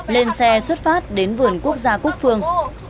lên xe xuất phát đến vườn quốc gia quốc phương